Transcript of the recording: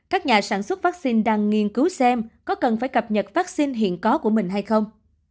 các nhà sản xuất vắc xin đang nghiên cứu xem có cần phải cập nhật vắc xin hiện có của mình hay không